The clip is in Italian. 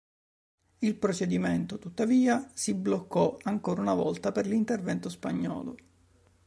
Il procedimento, tuttavia, si bloccò ancora una volta per l'intervento spagnolo.